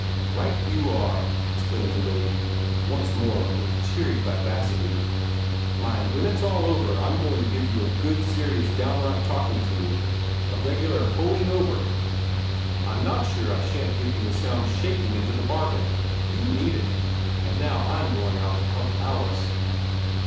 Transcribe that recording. "Right you are," exclaimed the lady, once more with cheery vivacity. "Mind, when it's all over, I'm going to give you a good, serious, downright talking to a regular hoeing over. I'm not sure I shan't give you a sound shaking into the bargain. You need it. And now I'm going out to help Alice."